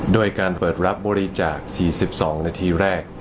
โดยการเปิดรับบริจาค๔๒นาทีแรก